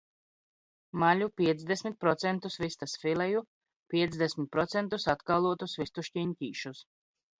Maļu piecdesmit procentus vistas fileju, piecdesmit procentus atkaulotus vistu šķiņķīšus.